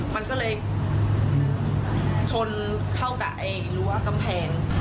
มันก็เลยชนเข้ากับรั้วกำแพง